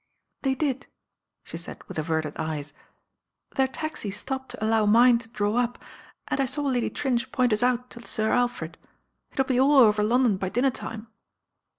They did," she said with averted eyes. "Their taxi stopped to allow mine to draw up, and I saw i ady Tnnge point us out to Sir Alfred. It'll be all over London by dinner time."